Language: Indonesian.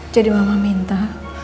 jadi mama minta